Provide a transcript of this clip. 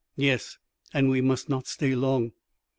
"Yes; and we must not stay long."